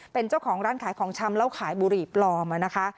เป็นเจ้าของร้านขายของชำแล้วขายบุหรี่ปลอมนะคะ